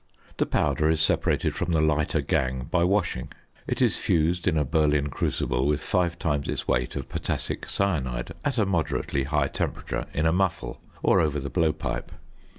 The powder is separated from the lighter gangue by washing. It is fused in a Berlin crucible with five times its weight of potassic cyanide at a moderately high temperature in a muffle, or over the blowpipe.